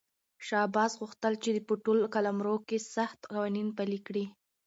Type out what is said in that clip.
شاه عباس غوښتل چې په ټول قلمرو کې سخت قوانین پلي کړي.